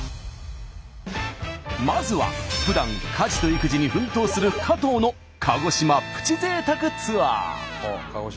まずはふだん家事と育児に奮闘する加藤の鹿児島プチ贅沢ツアー。